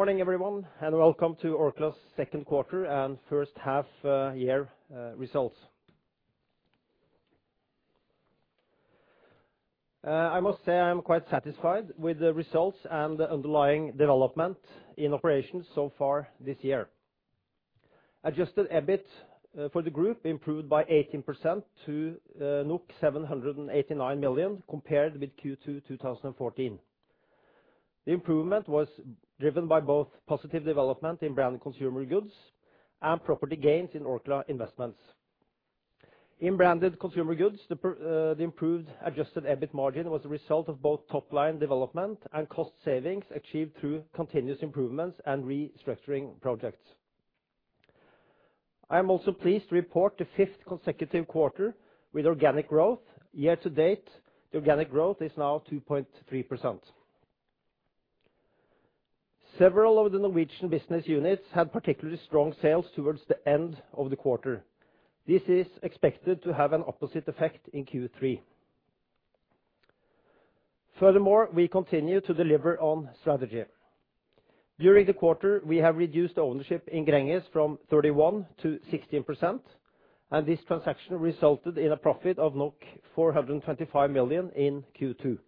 Morning, everyone, welcome to Orkla's second quarter and first half-year results. I must say I'm quite satisfied with the results and the underlying development in operations so far this year. Adjusted EBIT for the group improved by 18% to 789 million compared with Q2 2014. The improvement was driven by both positive development in Branded Consumer Goods and proper gains in Orkla Investments. In Branded Consumer Goods, the improved adjusted EBIT margin was a result of both top-line development and cost savings achieved through continuous improvements and restructuring projects. I am also pleased to report the fifth consecutive quarter with organic growth. Year to date, the organic growth is now 2.3%. Several of the Norwegian business units had particularly strong sales towards the end of the quarter. This is expected to have an opposite effect in Q3. Furthermore, we continue to deliver on strategy. During the quarter, we have reduced ownership in Gränges from 31% to 16%, and this transaction resulted in a profit of NOK 425 million in Q2.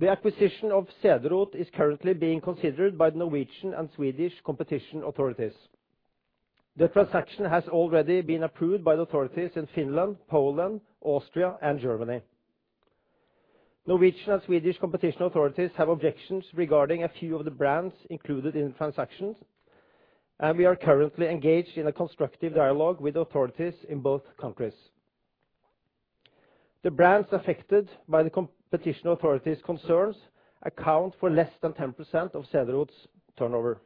The acquisition of Cederroth is currently being considered by the Norwegian and Swedish competition authorities. The transaction has already been approved by the authorities in Finland, Poland, Austria, and Germany. Norwegian and Swedish competition authorities have objections regarding a few of the brands included in the transactions, and we are currently engaged in a constructive dialogue with authorities in both countries. The brands affected by the competition authorities' concerns account for less than 10% of Cederroth's turnover.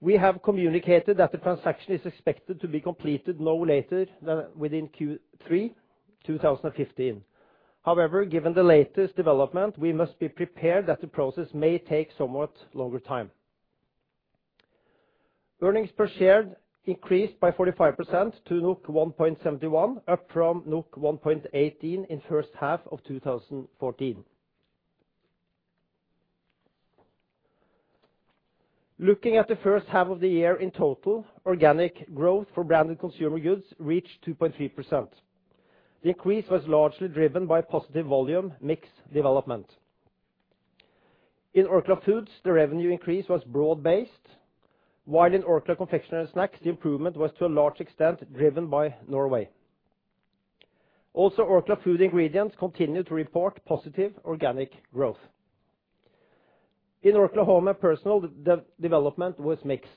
We have communicated that the transaction is expected to be completed no later than within Q3 2015. However, given the latest development, we must be prepared that the process may take somewhat longer time. Earnings per share increased by 45% to 1.71, up from 1.18 in first half of 2014. Looking at the first half of the year in total, organic growth for Branded Consumer Goods reached 2.3%. The increase was largely driven by positive volume mix development. In Orkla Foods, the revenue increase was broad-based, while in Orkla Confectionery & Snacks, the improvement was to a large extent driven by Norway. Also, Orkla Food Ingredients continued to report positive organic growth. In Orkla Home & Personal, the development was mixed.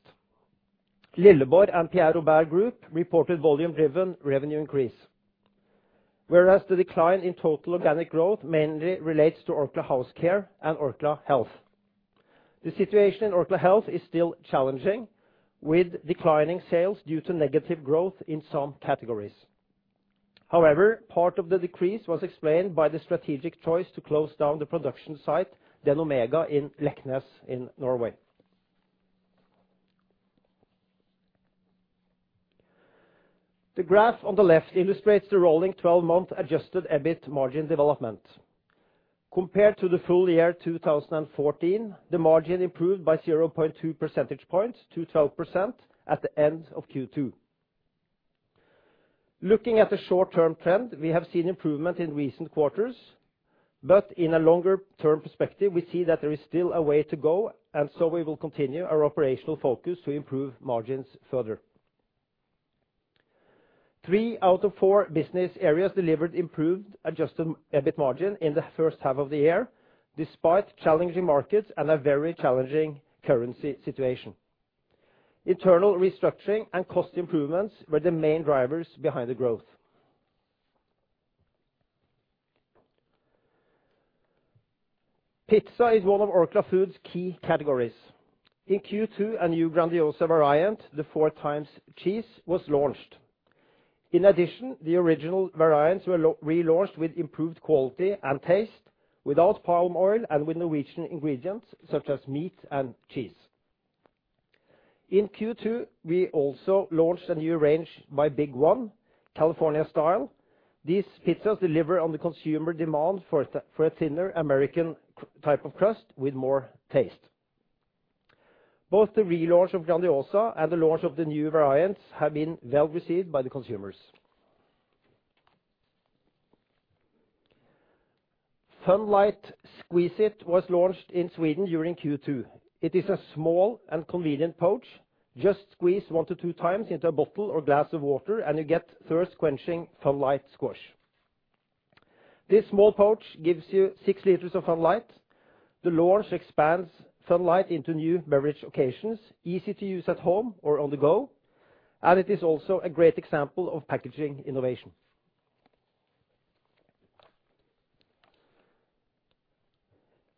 Lilleborg and Pierre Robert Group reported volume-driven revenue increase, whereas the decline in total organic growth mainly relates to Orkla House Care and Orkla Health. The situation in Orkla Health is still challenging, with declining sales due to negative growth in some categories. However, part of the decrease was explained by the strategic choice to close down the production site Den Omega in Leknes in Norway. The graph on the left illustrates the rolling 12-month adjusted EBIT margin development. Compared to the full year 2014, the margin improved by 0.2 percentage points to 12% at the end of Q2. Looking at the short-term trend, we have seen improvement in recent quarters, but in a longer-term perspective, we see that there is still a way to go, and so we will continue our operational focus to improve margins further. Three out of four business areas delivered improved adjusted EBIT margin in the first half of the year, despite challenging markets and a very challenging currency situation. Internal restructuring and cost improvements were the main drivers behind the growth. Pizza is one of Orkla Foods' key categories. In Q2, a new Grandiosa variant, the 4-cheese, was launched. In addition, the original variants were relaunched with improved quality and taste, without palm oil and with Norwegian ingredients such as meat and cheese. In Q2, we also launched a new range by BigOne, California-style. These pizzas deliver on the consumer demand for a thinner American type of crust with more taste. Both the relaunch of Grandiosa and the launch of the new variants have been well received by the consumers. FUN Light SQUEEZE iT was launched in Sweden during Q2. It is a small and convenient pouch. Just squeeze one to two times into a bottle or glass of water, and you get thirst-quenching FUN Light squash. This small pouch gives you 6 liters of FUN Light. The launch expands FUN Light into new beverage occasions, easy to use at home or on the go, and it is also a great example of packaging innovation.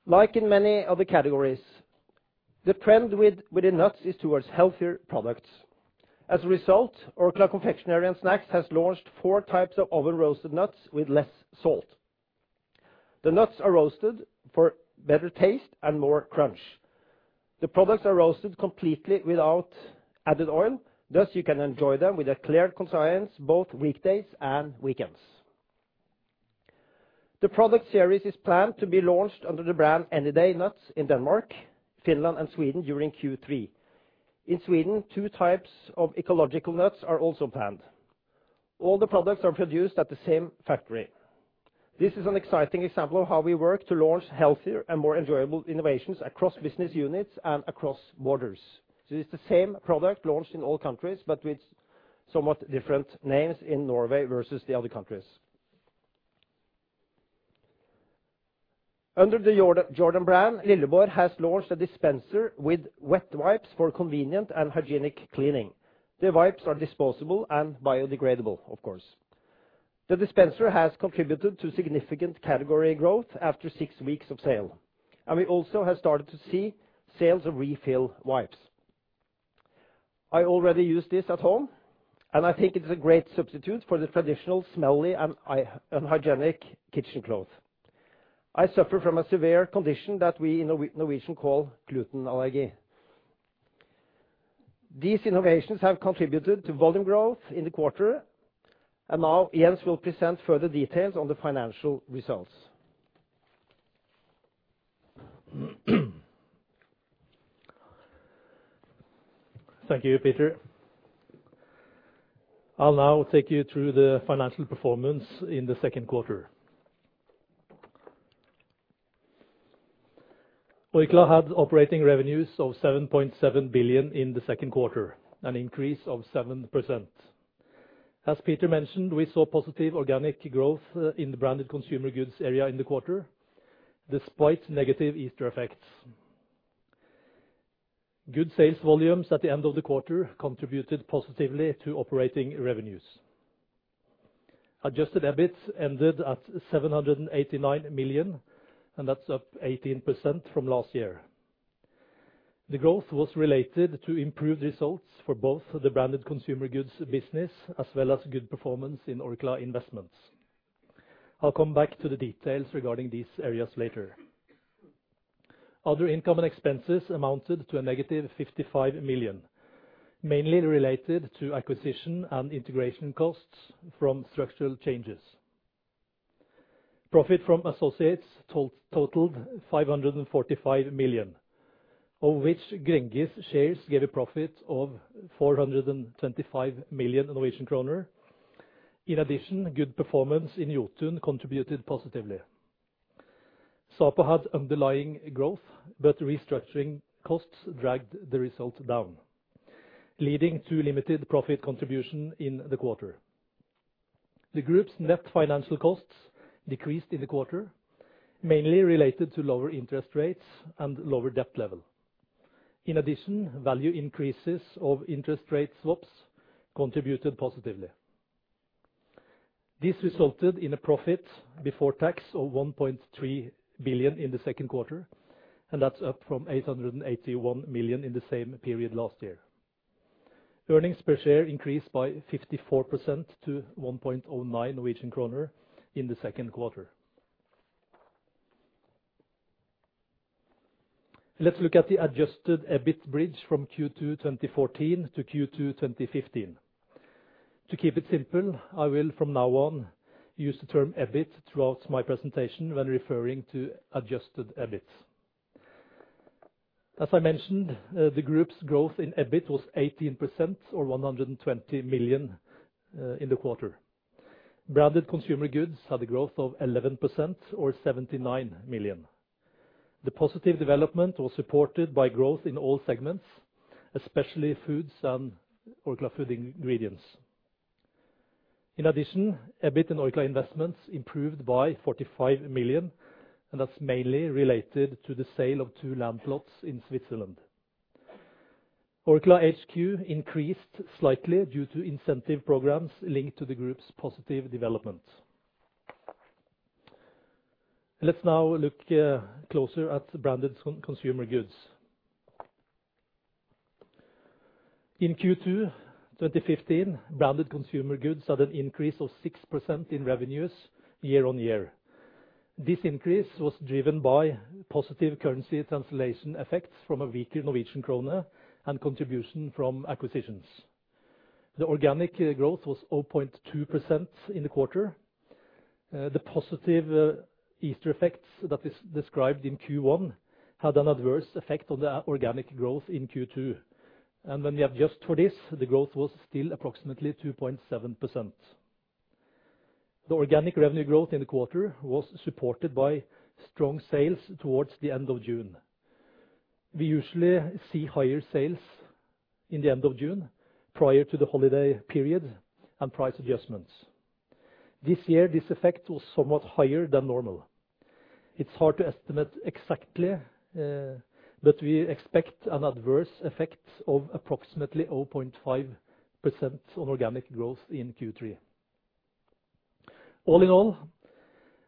Like in many other categories, the trend within nuts is towards healthier products. As a result, Orkla Confectionery & Snacks has launched 4 types of oven-roasted nuts with less salt. The nuts are roasted for better taste and more crunch. The products are roasted completely without added oil. Thus, you can enjoy them with a clear conscience both weekdays and weekends. The product series is planned to be launched under the brand Anyday Nuts in Denmark, Finland, and Sweden during Q3. In Sweden, 2 types of ecological nuts are also planned. All the products are produced at the same factory. This is an exciting example of how we work to launch healthier and more enjoyable innovations across business units and across borders. It is the same product launched in all countries, but with somewhat different names in Norway versus the other countries. Under the Jordan brand, Lilleborg has launched a dispenser with wet wipes for convenient and hygienic cleaning. The wipes are disposable and biodegradable, of course. The dispenser has contributed to significant category growth after 6 weeks of sale. We also have started to see sales of refill wipes. I already use this at home, and I think it's a great substitute for the traditional smelly and unhygienic kitchen cloth. I suffer from a severe condition that we in Norwegian call gluten allergy. These innovations have contributed to volume growth in the quarter, and now Jens will present further details on the financial results. Thank you, Peter. I'll now take you through the financial performance in the second quarter. Orkla had operating revenues of 7.7 billion in the second quarter, an increase of 7%. As Peter mentioned, we saw positive organic growth in the Branded Consumer Goods area in the quarter, despite negative Easter effects. Good sales volumes at the end of the quarter contributed positively to operating revenues. Adjusted EBIT ended at 789 million, and that's up 18% from last year. The growth was related to improved results for both the Branded Consumer Goods business as well as good performance in Orkla Investments. I'll come back to the details regarding these areas later. Other income and expenses amounted to a negative 55 million, mainly related to acquisition and integration costs from structural changes. Profit from associates totaled 545 million, of which Gränges shares gave a profit of 425 million Norwegian kroner. In addition, good performance in Jotun contributed positively. Sapa had underlying growth, but restructuring costs dragged the results down, leading to limited profit contribution in the quarter. The group's net financial costs decreased in the quarter, mainly related to lower interest rates and lower debt level. In addition, value increases of interest rate swaps contributed positively. This resulted in a profit before tax of 1.3 billion in the second quarter, up from 881 million in the same period last year. Earnings per share increased by 54% to 1.09 Norwegian kroner in the second quarter. Let's look at the adjusted EBIT bridge from Q2 2014 to Q2 2015. To keep it simple, I will from now on use the term EBIT throughout my presentation when referring to adjusted EBIT. As I mentioned, the group's growth in EBIT was 18%, or 120 million in the quarter. Branded Consumer Goods had a growth of 11%, or 79 million. The positive development was supported by growth in all segments, especially foods and Orkla Food Ingredients. In addition, EBIT and Orkla Investments improved by 45 million, mainly related to the sale of two land plots in Switzerland. Orkla HQ increased slightly due to incentive programs linked to the group's positive development. Let's now look closer at Branded Consumer Goods. In Q2 2015, Branded Consumer Goods had an increase of 6% in revenues year-on-year. This increase was driven by positive currency translation effects from a weaker Norwegian kroner and contribution from acquisitions. The organic growth was 0.2% in the quarter. The positive Easter effects that is described in Q1 had an adverse effect on the organic growth in Q2. When we adjust for this, the growth was still approximately 2.7%. The organic revenue growth in the quarter was supported by strong sales towards the end of June. We usually see higher sales in the end of June prior to the holiday period and price adjustments. This year, this effect was somewhat higher than normal. It's hard to estimate exactly, but we expect an adverse effect of approximately 0.5% on organic growth in Q3. All in all,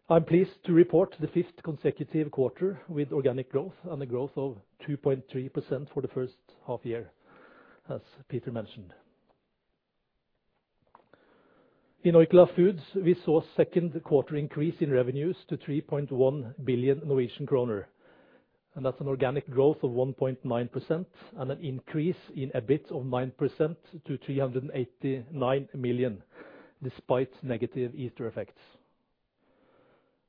I'm pleased to report the fifth consecutive quarter with organic growth and a growth of 2.3% for the first half year, as Peter mentioned. In Orkla Foods, we saw second quarter increase in revenues to 3.1 billion Norwegian kroner, an organic growth of 1.9% and an increase in EBIT of 9% to 389 million, despite negative Easter effects.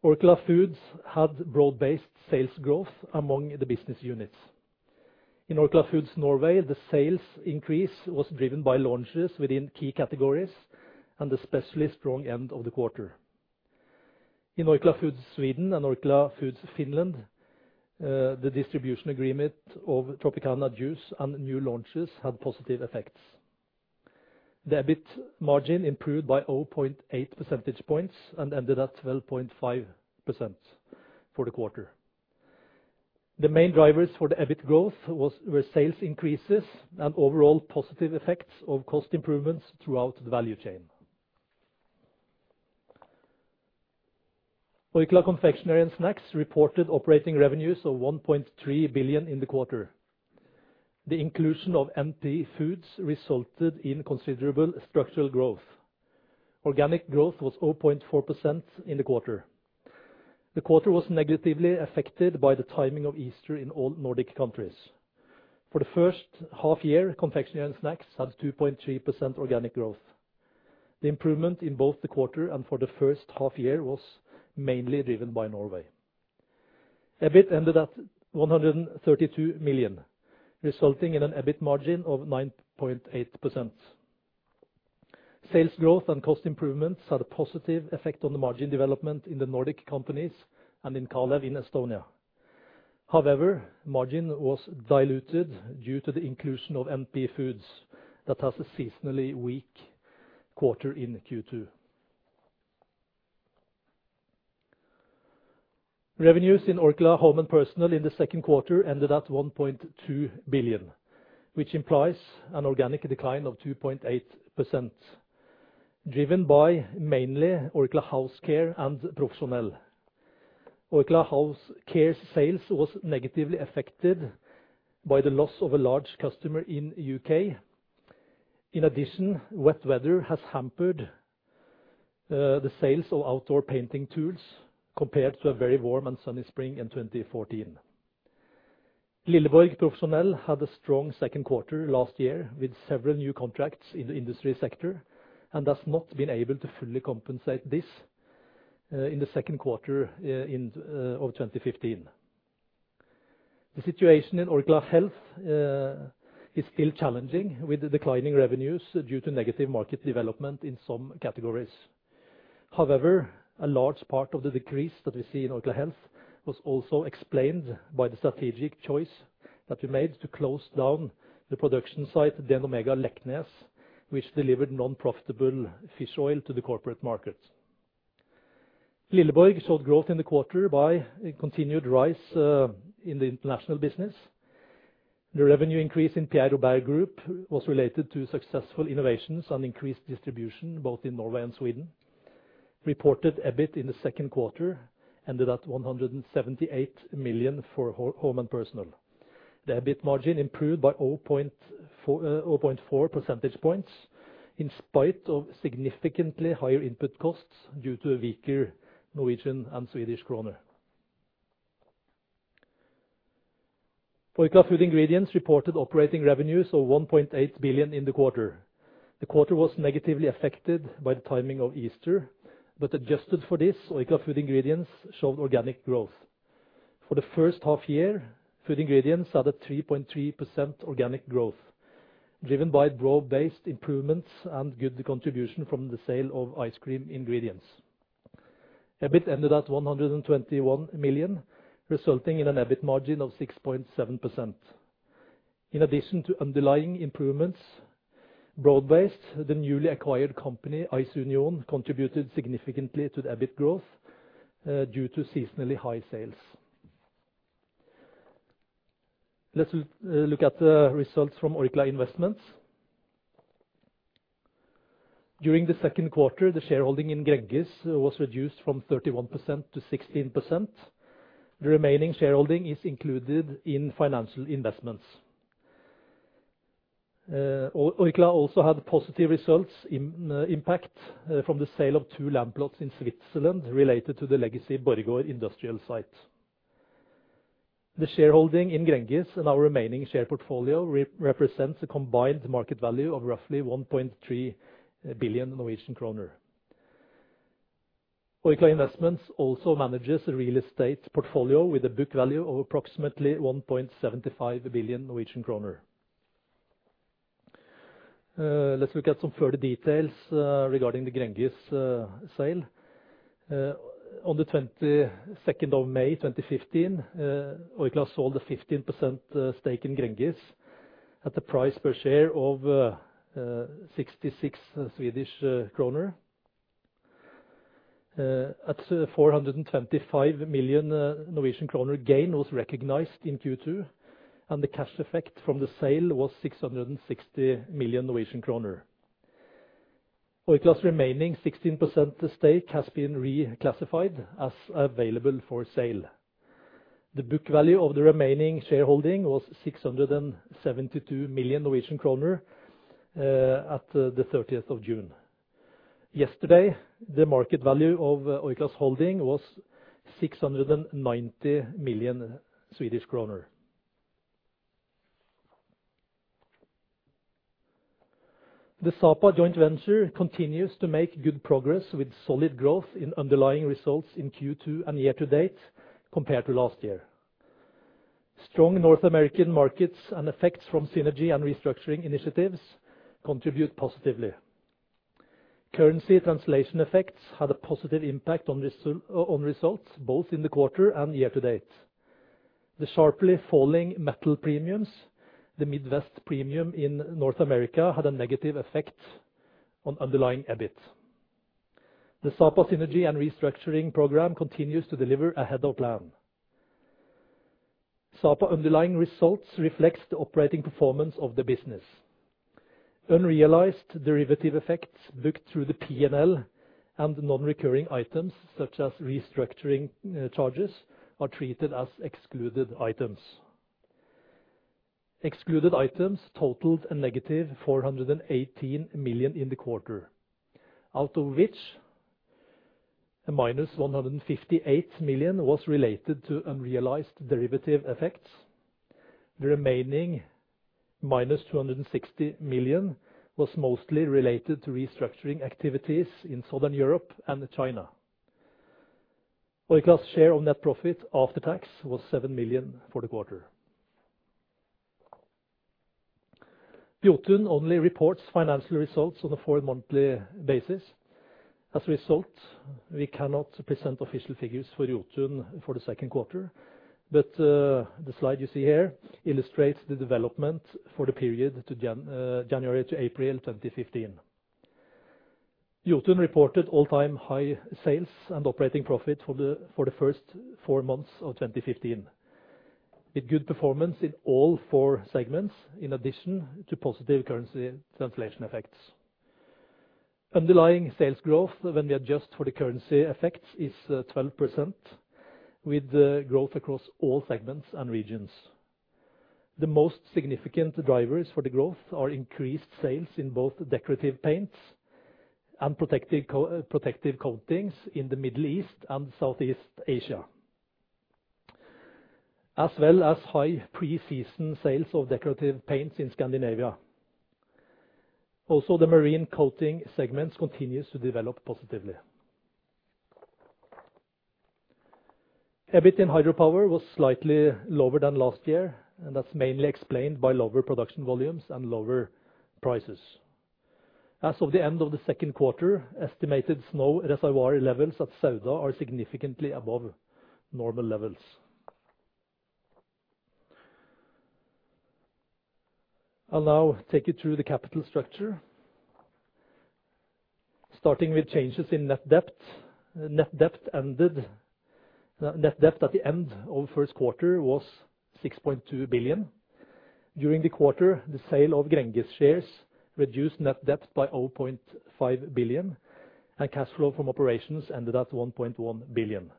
Orkla Foods had broad-based sales growth among the business units. In Orkla Foods Norge, the sales increase was driven by launches within key categories and especially strong end of the quarter. In Orkla Foods Sverige and Orkla Foods Finland, the distribution agreement of Tropicana juice and new launches had positive effects. The EBIT margin improved by 0.8 percentage points and ended at 12.5% for the quarter. The main drivers for the EBIT growth were sales increases and overall positive effects of cost improvements throughout the value chain. Orkla Confectionery & Snacks reported operating revenues of 1.3 billion in the quarter. The inclusion of NP Foods resulted in considerable structural growth. Organic growth was 0.4% in the quarter. The quarter was negatively affected by the timing of Easter in all Nordic countries. For the first half year, Confectionery & Snacks had 2.3% organic growth. The improvement in both the quarter and for the first half year was mainly driven by Norway. EBIT ended at 132 million, resulting in an EBIT margin of 9.8%. Sales growth and cost improvements had a positive effect on the margin development in the Nordic countries and in Kalev in Estonia. However, margin was diluted due to the inclusion of NP Foods that has a seasonally weak quarter in Q2. Revenues in Orkla Home & Personal Care in the second quarter ended at 1.2 billion, which implies an organic decline of 2.8%, driven by mainly Orkla House Care and Lilleborg Profesjonell. Orkla House Care sales was negatively affected by the loss of a large customer in U.K. In addition, wet weather has hampered the sales of outdoor painting tools compared to a very warm and sunny spring in 2014. Lilleborg Profesjonell had a strong second quarter last year with several new contracts in the industry sector and has not been able to fully compensate this in the second quarter of 2015. The situation in Orkla Health is still challenging with declining revenues due to negative market development in some categories. However, a large part of the decrease that we see in Orkla Health was also explained by the strategic choice that we made to close down the production site, Den Omega Leknes, which delivered non-profitable fish oil to the corporate market. Lilleborg showed growth in the quarter by a continued rise in the international business. The revenue increase in Pierre Robert Group was related to successful innovations and increased distribution, both in Norway and Sweden. Reported EBIT in the second quarter ended at 178 million for Home & Personal Care. The EBIT margin improved by 0.4 percentage points in spite of significantly higher input costs due to a weaker Norwegian and Swedish kroner. Orkla Food Ingredients reported operating revenues of 1.8 billion in the quarter. The quarter was negatively affected by the timing of Easter, but adjusted for this, Orkla Food Ingredients showed organic growth. For the first half year, food ingredients added 3.3% organic growth, driven by broad-based improvements and good contribution from the sale of ice cream ingredients. EBIT ended at 121 million, resulting in an EBIT margin of 6.7%. In addition to underlying improvements, broad-based, the newly acquired company, Eisunion, contributed significantly to the EBIT growth due to seasonally high sales. Let's look at the results from Orkla Investments. During the second quarter, the shareholding in Gränges was reduced from 31% to 16%. The remaining shareholding is included in financial investments. Orkla also had positive results impact from the sale of two land plots in Switzerland related to the legacy Borregaard industrial site. The shareholding in Gränges and our remaining share portfolio represents a combined market value of roughly 1.3 billion Norwegian kroner. Orkla Investments also manages a real estate portfolio with a book value of approximately 1.75 billion Norwegian kroner. Let's look at some further details regarding the Gränges sale. On the 22nd of May 2015, Orkla sold a 15% stake in Gränges at the price per share of 66 Swedish kronor. A 425 million Norwegian kroner gain was recognized in Q2, and the cash effect from the sale was 660 million Norwegian kroner. Orkla's remaining 16% stake has been reclassified as available for sale. The book value of the remaining shareholding was 672 million Norwegian kroner at the 30th of June. Yesterday, the market value of Orkla's holding was 690 million Swedish kronor. The Sapa joint venture continues to make good progress with solid growth in underlying results in Q2 and year-to-date compared to last year. Strong North American markets and effects from synergy and restructuring initiatives contribute positively. Currency translation effects had a positive impact on results both in the quarter and year-to-date. The sharply falling metal premiums, the Midwest Premium in North America, had a negative effect on underlying EBIT. The Sapa synergy and restructuring program continues to deliver ahead of plan. Sapa underlying results reflects the operating performance of the business. Unrealized derivative effects booked through the P&L and non-recurring items such as restructuring charges, are treated as excluded items. Excluded items totaled a negative 418 million in the quarter. Out of which, a minus 158 million was related to unrealized derivative effects. The remaining minus 260 million was mostly related to restructuring activities in Southern Europe and China. Orkla's share of net profit after tax was 7 million for the quarter. Jotun only reports financial results on a four-monthly basis. As a result, we cannot present official figures for Jotun for the second quarter, but the slide you see here illustrates the development for the period January to April 2015. Jotun reported all-time high sales and operating profit for the first four months of 2015, with good performance in all four segments, in addition to positive currency translation effects. Underlying sales growth when we adjust for the currency effects is 12%, with growth across all segments and regions. The most significant drivers for the growth are increased sales in both decorative paints and protective coatings in the Middle East and Southeast Asia. High pre-season sales of decorative paints in Scandinavia. The marine coating segments continues to develop positively. EBIT in hydropower was slightly lower than last year, that's mainly explained by lower production volumes and lower prices. As of the end of the second quarter, estimated snow reservoir levels at Sauda are significantly above normal levels. I'll now take you through the capital structure. Starting with changes in net debt. Net debt at the end of first quarter was 6.2 billion. During the quarter, the sale of Gränges shares reduced net debt by 0.5 billion, cash flow from operations ended at 1.1 billion.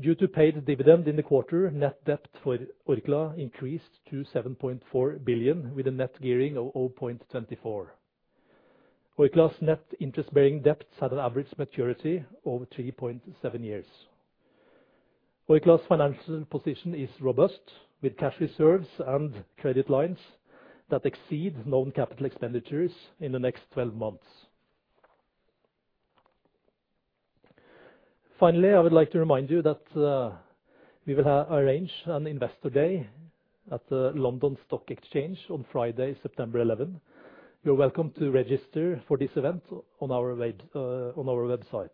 Due to paid dividend in the quarter, net debt for Orkla increased to 7.4 billion, with a net gearing of 0.24. Orkla's net interest-bearing debts had an average maturity over 3.7 years. Orkla's financial position is robust, with cash reserves and credit lines that exceed known capital expenditures in the next 12 months. Finally, I would like to remind you that we will arrange an investor day at the London Stock Exchange on Friday, September 11. You're welcome to register for this event on our website.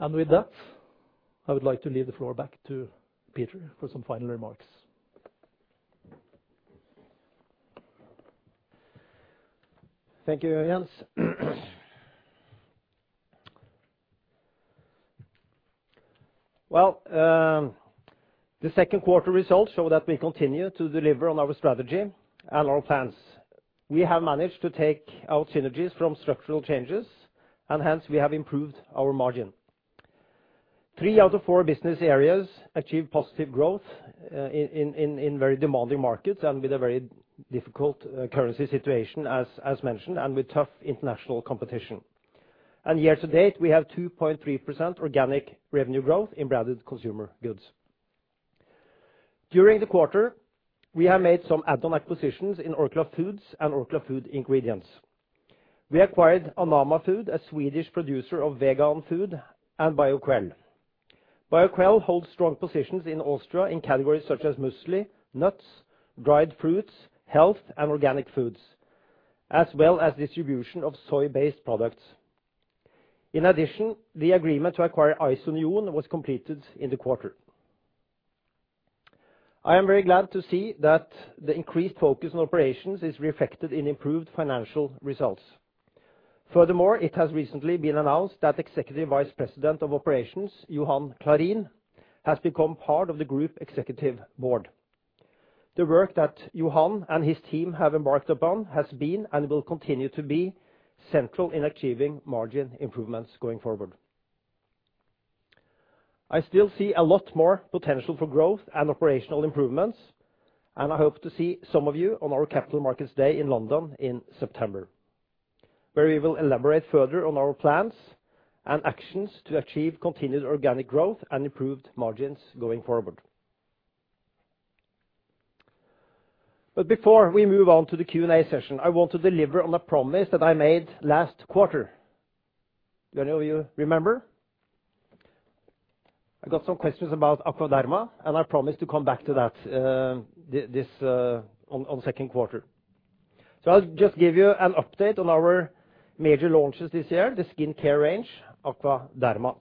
With that, I would like to leave the floor back to Peter for some final remarks. Thank you, Jens. The second quarter results show that we continue to deliver on our strategy and our plans. We have managed to take out synergies from structural changes, and hence, we have improved our margin. Three out of four business areas achieved positive growth in very demanding markets and with a very difficult currency situation, as mentioned, with tough international competition. Year to date, we have 2.3% organic revenue growth in Branded Consumer Goods. During the quarter, we have made some add-on acquisitions in Orkla Foods and Orkla Food Ingredients. We acquired Anamma Foods, a Swedish producer of vegan food, and Bioquelle. Bioquelle holds strong positions in Austria in categories such as muesli, nuts, dried fruits, health, and organic foods, as well as distribution of soy-based products. In addition, the agreement to acquire Eisunion was completed in the quarter. I am very glad to see that the increased focus on operations is reflected in improved financial results. Furthermore, it has recently been announced that Executive Vice President of Operations, Johan Clarin, has become part of the group executive board. The work that Johan and his team have embarked upon has been and will continue to be central in achieving margin improvements going forward. I still see a lot more potential for growth and operational improvements, I hope to see some of you on our Capital Markets Day in London in September, where we will elaborate further on our plans and actions to achieve continued organic growth and improved margins going forward. Before we move on to the Q&A session, I want to deliver on a promise that I made last quarter. Do any of you remember? I got some questions about AquaDerma, and I promised to come back to that on the second quarter. I'll just give you an update on our major launches this year, the skincare range, AquaDerma.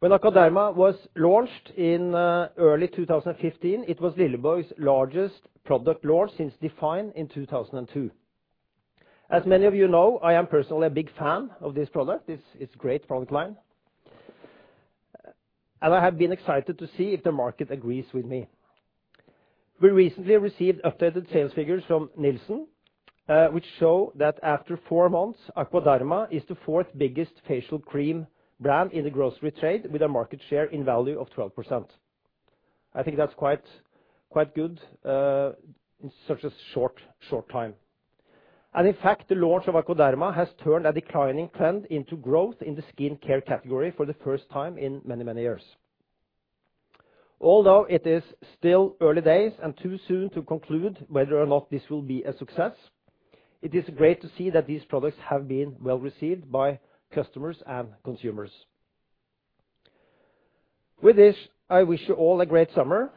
When AquaDerma was launched in early 2015, it was Lilleborg's largest product launch since Define in 2002. As many of you know, I am personally a big fan of this product. It's a great product line. I have been excited to see if the market agrees with me. We recently received updated sales figures from Nielsen, which show that after four months, AquaDerma is the fourth biggest facial cream brand in the grocery trade with a market share in value of 12%. I think that's quite good in such a short time. In fact, the launch of AquaDerma has turned a declining trend into growth in the skincare category for the first time in many, many years. Although it is still early days and too soon to conclude whether or not this will be a success, it is great to see that these products have been well-received by customers and consumers. With this, I wish you all a great summer,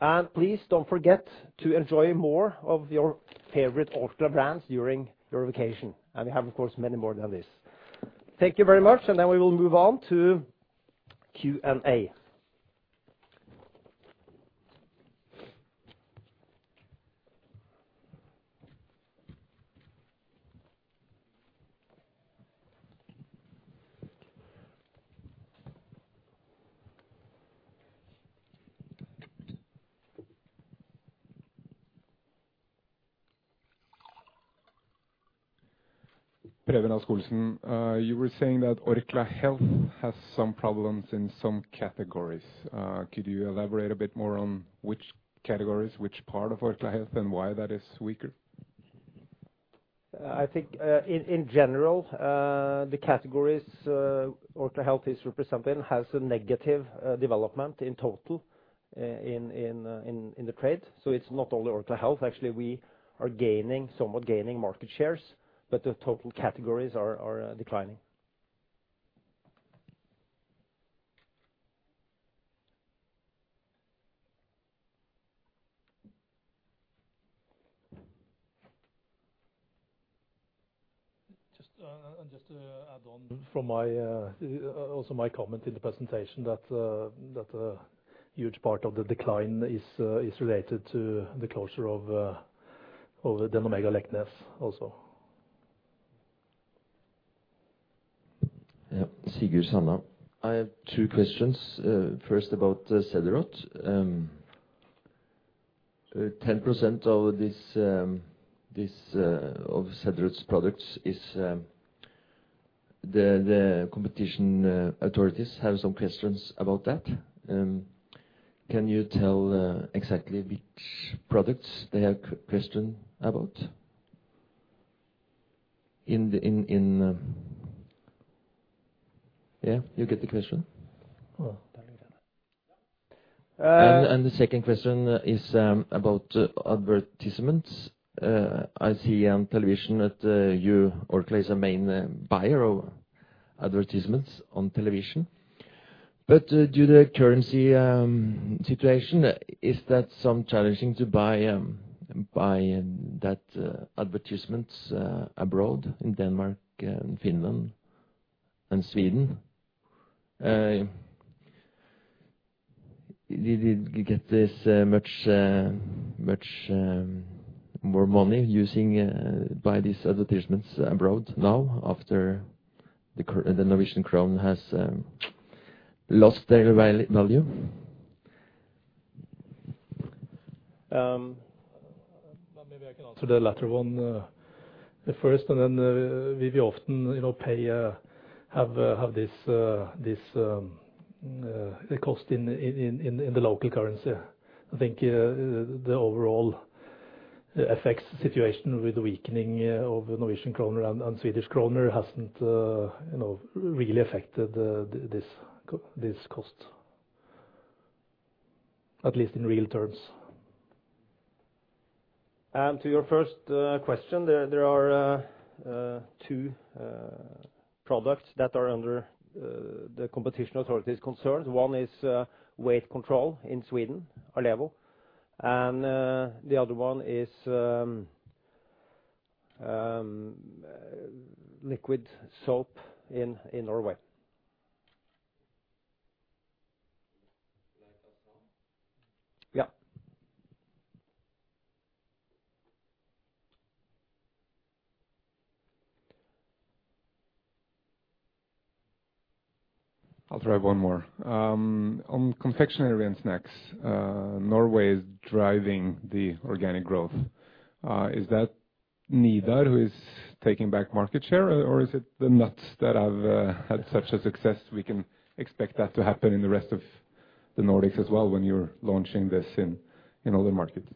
and please don't forget to enjoy more of your favorite Orkla brands during your vacation. We have, of course, many more than this. Thank you very much, then we will move on to Q&A. Preben Rasch-Olsen. You were saying that Orkla Health has some problems in some categories. Could you elaborate a bit more on which categories, which part of Orkla Health, and why that is weaker? I think, in general, the categories Orkla Health is representing has a negative development in total in the trade. It's not only Orkla Health. Actually, we are somewhat gaining market shares, the total categories are declining. Just to add on from also my comment in the presentation that a huge part of the decline is related to the closure of Den Omega Leknes also. Yeah. Sigurd Sanna. I have two questions. First, about Cederroth. 10% of Cederroth's products, the competition authorities have some questions about that. Can you tell exactly which products they have question about? Yeah, you get the question? Oh, darn it. Yeah. The second question is about advertisements. I see on television that Orkla is a main buyer of advertisements on television. Due to currency situation, is that some challenging to buy that advertisements abroad in Denmark and Finland and Sweden? Did you get this much more money buy these advertisements abroad now after the Norwegian krone has lost their value? Maybe I can answer the latter one first. Then we often pay, have this cost in the local currency. I think the overall effects situation with the weakening of Norwegian krone and Swedish krone hasn't really affected this cost, at least in real terms. To your first question, there are two products that are under the competition authorities' concerns. One is weight control in Sweden, Allevo, the other one is liquid soap in Norway. Would you like us on? Yeah. I'll try one more. On confectionery and snacks, Norway is driving the organic growth. Is that Nidar who is taking back market share, or is it the nuts that have had such a success we can expect that to happen in the rest of the Nordics as well when you're launching this in other markets?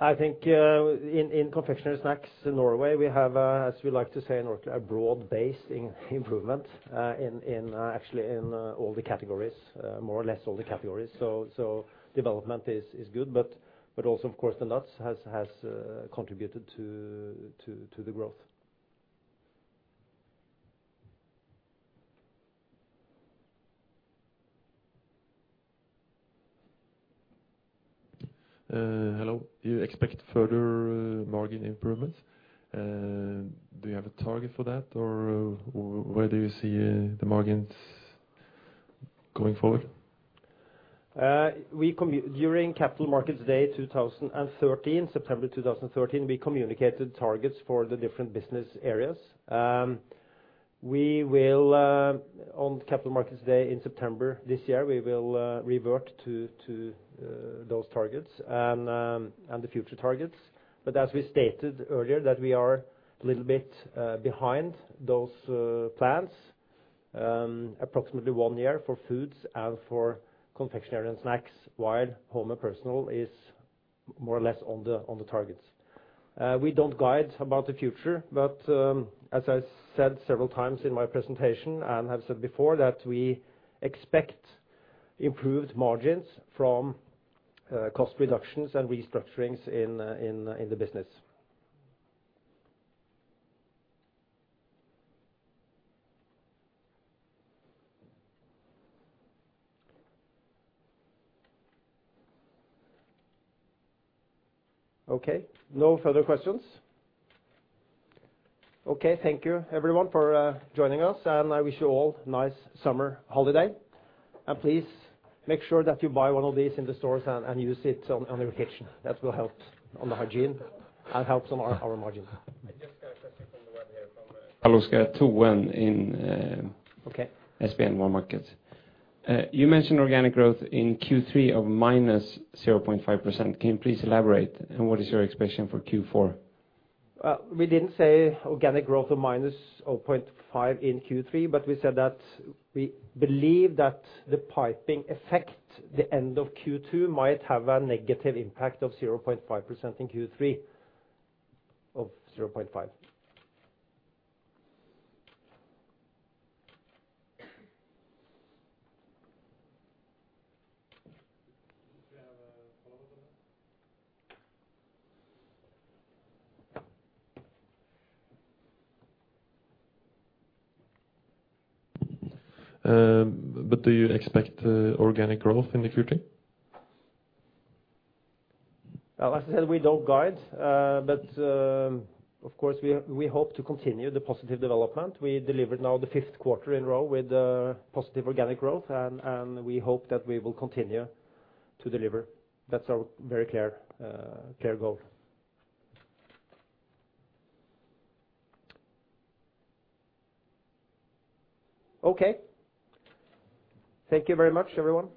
I think in confectionery snacks in Norway, we have, as we like to say in Orkla, a broad-based improvement, actually in all the categories, more or less all the categories. Development is good, but also, of course, the nuts has contributed to the growth. Hello. Do you expect further margin improvements? Do you have a target for that, or where do you see the margins going forward? During Capital Markets Day 2013, September 2013, we communicated targets for the different business areas. On Capital Markets Day in September this year, we will revert to those targets and the future targets. As we stated earlier that we are a little bit behind those plans, approximately one year for Foods and for Confectionery and Snacks, while Home and Personal is more or less on the targets. We do not guide about the future, as I said several times in my presentation and have said before, that we expect improved margins from cost reductions and restructurings in the business. No further questions. Thank you, everyone, for joining us, and I wish you all a nice summer holiday. Please make sure that you buy one of these in the stores and use it on your kitchen. That will help on the hygiene and help on our margin. I just got a question from the web here from- Pål Oscar in- Okay SPN Wallmarkets. You mentioned organic growth in Q3 of -0.5%. Can you please elaborate, and what is your expectation for Q4? We didn't say organic growth of -0.5 in Q3, but we said that we believe that the piping effect, the end of Q2 might have a negative impact of 0.5% in Q3, of 0.5. Do we have a follow-up on that? Do you expect organic growth in the future? As I said, we don't guide. Of course, we hope to continue the positive development. We delivered now the fifth quarter in a row with positive organic growth, and we hope that we will continue to deliver. That's our very clear goal. Okay. Thank you very much, everyone.